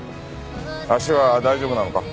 足は大丈夫なのか？